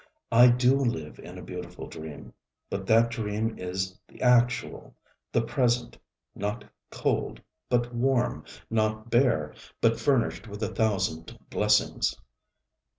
I do live in a beautiful dream; but that dream is the actual, the present, not cold, but warm; not bare, but furnished with a thousand blessings.